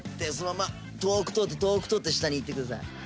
遠く通って遠く通って下に行ってください。